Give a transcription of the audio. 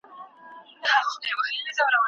له بامي بلخه راپاڅه ، دنوروز دسهارباده